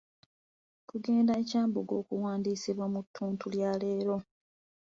Okugenda e Kyambogo okuwandiisibwa mu ttuntu lya leero.